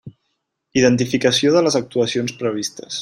Identificació de les actuacions previstes.